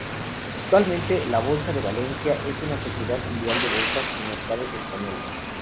Actualmente, la Bolsa de Valencia es una sociedad filial de Bolsas y Mercados Españoles.